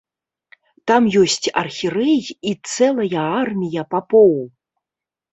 Там ёсць архірэй і цэлая армія папоў.